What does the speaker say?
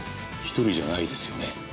１人じゃないですよね？